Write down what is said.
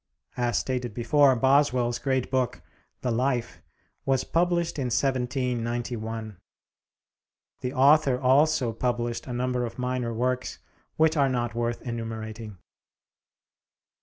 As stated before, Boswell's great book, the 'Life,' was published in 1791. The author also published a number of minor works which are not worth enumerating.